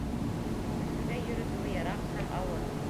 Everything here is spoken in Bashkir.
Өфөгә йөрөтөүе йыраҡ һәм ауыр.